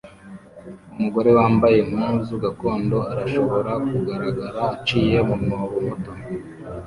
Umugore wambaye impuzu gakondo arashobora kugaragara aciye mu mwobo muto